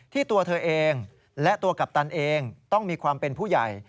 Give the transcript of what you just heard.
ตัวเธอเองและตัวกัปตันเองต้องมีความเป็นผู้ใหญ่